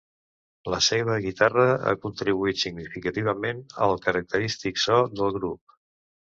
La seva guitarra ha contribuït significativament al característic so del grup.